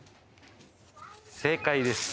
正解です